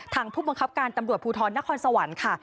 ผู้บังคับการตำรวจภูทรนครสวรรค์ค่ะ